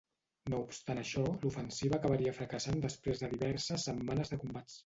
No obstant això, l'ofensiva acabaria fracassant després de diverses setmanes de combats.